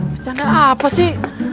bercanda apa sih